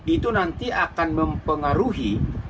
itu nanti akan mempengaruhi